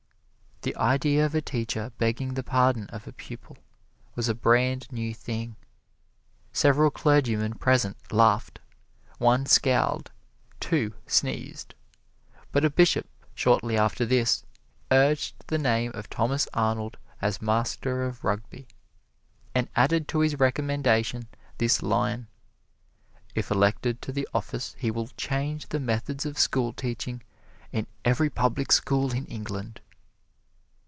The idea of a teacher begging the pardon of a pupil was a brand new thing. Several clergymen present laughed one scowled two sneezed. But a Bishop, shortly after this, urged the name of Thomas Arnold as master of Rugby, and added to his recommendation this line: "If elected to the office he will change the methods of schoolteaching in every public school in England."